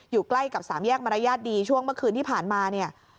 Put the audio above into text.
อยู่ใกล้กับสามแยกมารยาทดีช่วงเมื่อคืนที่ผ่านมาเนี่ย